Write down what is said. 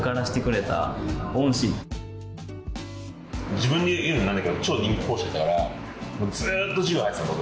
自分で言うのもなんだけど超人気講師だったからずっと授業入っていたの僕。